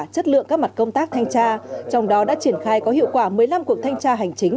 chất lượng các mặt công tác thanh tra trong đó đã triển khai có hiệu quả một mươi năm cuộc thanh tra hành chính